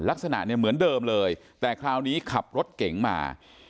ลักษณะเนี่ยเหมือนเดิมเลยแต่คราวนี้ขับรถเก๋งมา